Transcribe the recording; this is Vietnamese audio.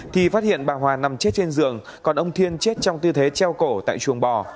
thì phát hiện bà hòa nằm chết trên giường còn ông thiên chết trong tư thế treo cổ tại chuồng bò